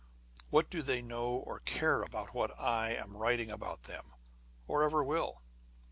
What do they know or care about what I am writing about them, or ever will